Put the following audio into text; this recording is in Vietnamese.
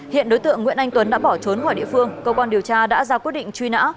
hiện đối tượng nguyễn anh tuấn đã bỏ trốn khỏi địa phương cơ quan điều tra đã ra quyết định truy nã